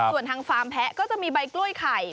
ส่วนทางฟาร์มแพ้ก็จะมีใบกล้วยไข่